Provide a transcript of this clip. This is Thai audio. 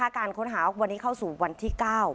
การค้นหาวันนี้เข้าสู่วันที่๙